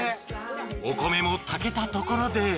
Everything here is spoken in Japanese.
［お米も炊けたところで］